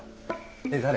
えっ誰？